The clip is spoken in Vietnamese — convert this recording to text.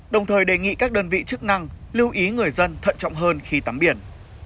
đồng thời đề nghị các đơn vị chức năng lưu ý người dân thận trọng hơn khi tắm biển